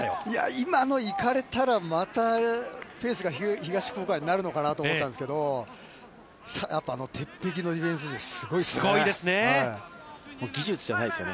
◆今の行かれたら、またペースが東福岡になるのかなと思ったんですけど、やっぱり鉄壁のディフェンス陣、すごいですね。